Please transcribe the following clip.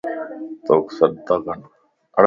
توک سڏتاڪن